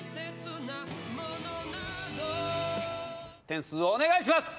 点数お願いします！